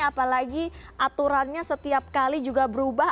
apalagi aturannya setiap kali juga berubah